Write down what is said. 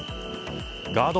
ガード